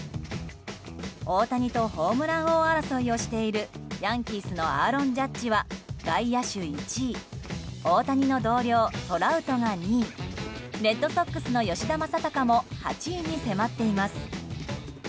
大谷とホームラン王争いをしているヤンキースのアーロン・ジャッジは外野手１位大谷の同僚、トラウトが２位レッドソックスの吉田正尚も８位に迫っています。